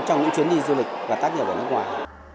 trong những chuyến đi du lịch và tác giả của nước ngoài